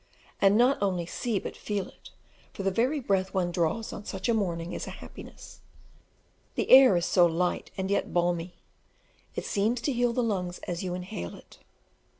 and not only see but feel it, for the very breath one draws on such a morning is a happiness; the air is so light and yet balmy, it seems to heal the lungs as you inhale it.